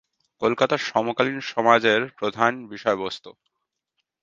কলকাতার সমকালীন সমাজ এর প্রধান বিষয়বস্তু।